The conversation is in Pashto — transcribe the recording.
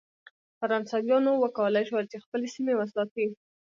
فرانسویانو وکولای شول چې خپلې سیمې وساتي.